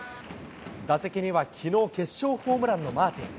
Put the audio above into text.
打席にはきのう、決勝ホームランのマーティン。